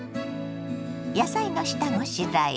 野菜の下ごしらえ。